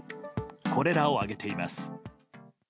これらを挙げています。